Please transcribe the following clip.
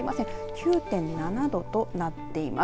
９．７度となっています。